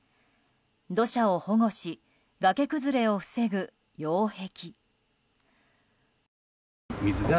土砂を保護し崖崩れを防ぐ、擁壁。